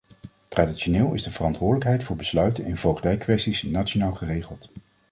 Traditioneel is de verantwoordelijkheid voor besluiten in voogdijkwesties nationaal geregeld.